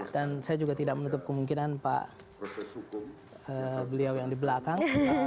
saya juga tidak menutup kemungkinan beliau yang di belakang